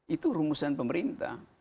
itu rumusan pemerintah